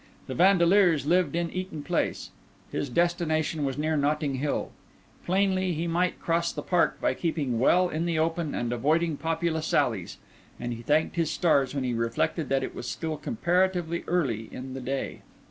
The Vandeleurs lived in Eaton Place; his destination was near Notting Hill; plainly, he might cross the Park by keeping well in the open and avoiding populous alleys; and he thanked his stars when he reflected that it was still comparatively early in the day.